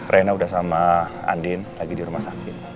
rena udah sama andin lagi di rumah sakit